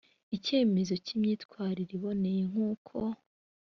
icyemezo cy imyitwarire iboneye nk uko